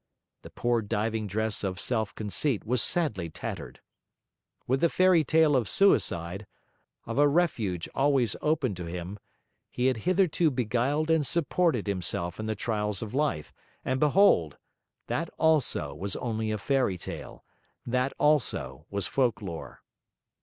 The poor diving dress of self conceit was sadly tattered! With the fairy tale of suicide, of a refuge always open to him, he had hitherto beguiled and supported himself in the trials of life; and behold! that also was only a fairy tale, that also was folk lore.